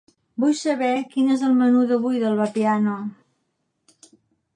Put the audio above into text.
Vull saber quin és el menú d'avui del Vapiano.